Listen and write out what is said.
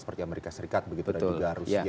seperti amerika serikat begitu dan juga rusia